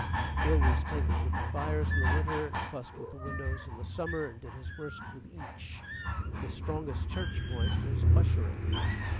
He always tinkered with the fires in the winter and fussed with the windows in the summer, and did his worst with each. His strongest church point was ushering.